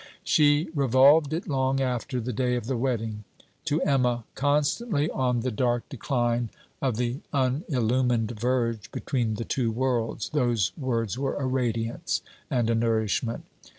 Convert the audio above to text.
She revolved it long after the day of the wedding. To Emma, constantly on the dark decline of the unillumined verge, between the two worlds, those words were a radiance and a nourishment.